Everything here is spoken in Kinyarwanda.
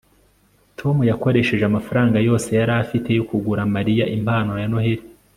tom yakoresheje amafaranga yose yari afite yo kugura mariya impano ya noheri